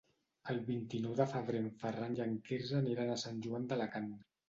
El vint-i-nou de febrer en Ferran i en Quirze aniran a Sant Joan d'Alacant.